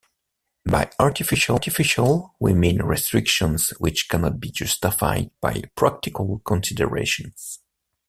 By artificial we mean restrictions which cannot be justified by practical considerations.